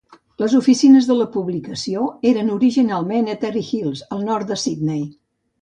Les oficines de la publicació eren originalment a Terrey Hills, al nord de Sydney.